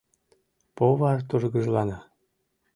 Повар тургыжлана: